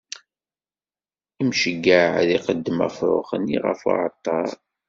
Imceyyeɛ ad iqeddem afṛux-nni ɣef uɛalṭar.